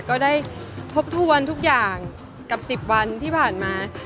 ก็ได้ทบทวนทุกอย่างกับ๑๐วันที่ผ่านมา